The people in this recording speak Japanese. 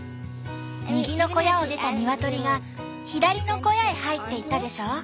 右の小屋を出たニワトリが左の小屋へ入っていったでしょ？